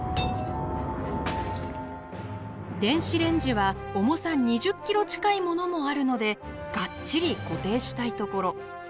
電子レンジは重さ２０キロ近いものもあるのでがっちり固定したいところ。